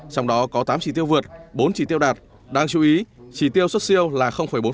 trong đó có tám chỉ tiêu vượt bốn chỉ tiêu đạt đáng chú ý chỉ tiêu xuất siêu là bốn